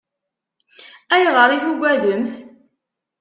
Ayɣer i tugademt?